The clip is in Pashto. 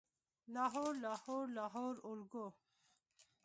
لاهور، لاهور، لاهور اولګوو